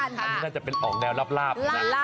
อันนี้น่าจะเป็นออกแดวราบราบ